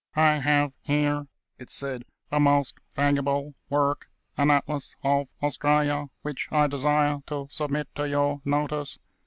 "I have here," it said, "a most valuable work, an Atlas of Australia, which I desire to submit to your notice.